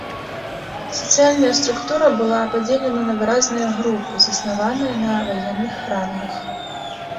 Сацыяльная структура была падзелена на выразныя групы, заснаваныя на ваенных рангах.